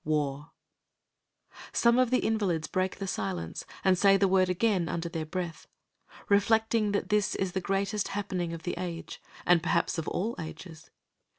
War! Some of the invalids break the silence, and say the word again under their breath, reflecting that this is the greatest happening of the age, and perhaps of all ages.